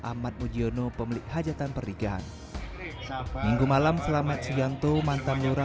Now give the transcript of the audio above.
ahmad mujiono pemilik hajatan pernikahan minggu malam selamat siang tuh mantan lura